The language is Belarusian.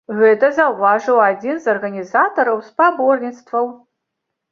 Гэта заўважыў адзін з арганізатараў спаборніцтваў.